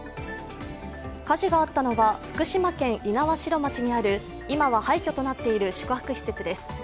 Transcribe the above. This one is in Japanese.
火事があったのは、福島県猪苗代町にある今は廃虚となっている宿泊施設です。